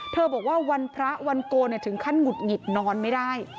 บอกว่าวันพระวันโกนถึงขั้นหงุดหงิดนอนไม่ได้